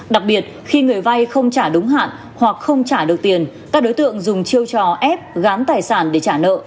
đặc biệt khi người vay không trả đúng hạn hoặc không trả được tiền các đối tượng dùng chiêu trò ép gán tài sản để trả nợ